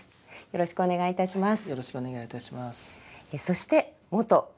よろしくお願いします。